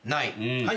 はい。